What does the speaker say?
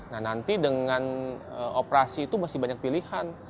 nah nanti dengan operasi itu masih banyak pilihan